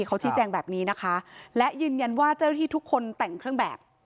เขาชี้แจงแบบนี้นะคะและยืนยันว่าเจ้าหน้าที่ทุกคนแต่งเครื่องแบบ